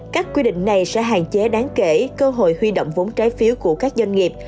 các quy định này sẽ hạn chế đáng kể cơ hội huy động vốn trái phiếu của các doanh nghiệp